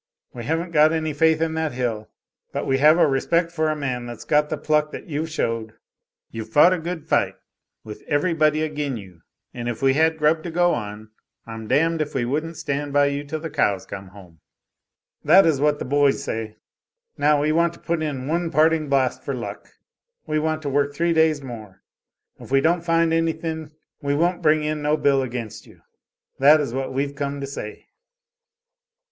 We haven't got any faith in that hill, but we have a respect for a man that's got the pluck that you've showed; you've fought a good fight, with everybody agin you and if we had grub to go on, I'm d d if we wouldn't stand by you till the cows come home! That is what the boys say. Now we want to put in one parting blast for luck. We want to work three days more; if we don't find anything, we won't bring in no bill against you. That is what we've come to say."